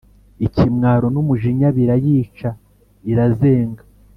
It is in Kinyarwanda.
ikimwaro n'umujinya birayica, irazenga,